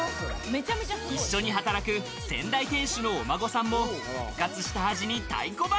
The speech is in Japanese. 一緒に働く先代店主のお孫さんも復活した味に太鼓判！